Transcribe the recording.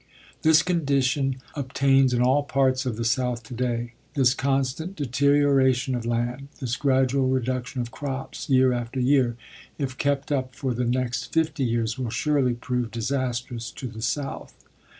This condition obtains in all parts of the South today. This constant deterioration of land, this gradual reduction of crops year after year, if kept up for the next fifty years, will surely prove disastrous to the South.